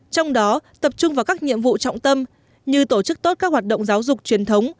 trong đó tập trung vào các nhiệm vụ trọng tâm như tổ chức tốt các hoạt động giáo dục truyền thống